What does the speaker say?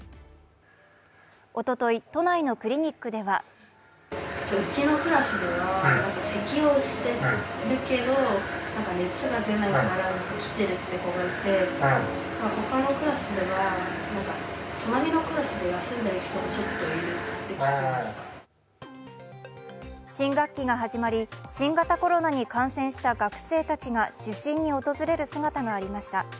おととい都内のクリニックでは新学期が始まり新型コロナに感染した学生たちが受診に訪れる姿がありました。